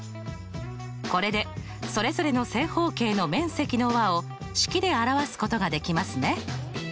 これでそれぞれの正方形の面積の和を式で表すことができますね。